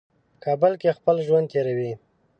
په کابل کې خپل ژوند تېروي.